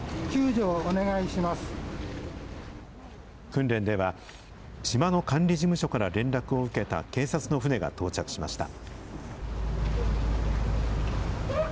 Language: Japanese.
訓練では、島の管理事務所から連絡を受けた警察の船が到着しました。